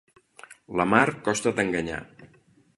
La mar costa d'enganyar.